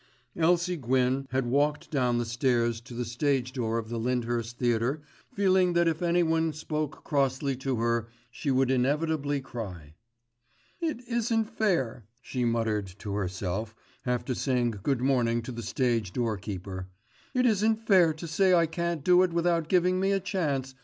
Elsie Gwyn had walked down the stairs to the stage door of the Lyndhurst Theatre feeling that if anyone spoke crossly to her she would inevitably cry. "It isn't fair," she muttered to herself after saying good morning to the stage doorkeeper, "it isn't fair to say I can't do it without giving me a chance.